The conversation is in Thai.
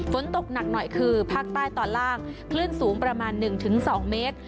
ฝนตกหนักหน่อยคือภาคใต้ตอนล่างคลื่นสูงประมาณ๑๒เมตร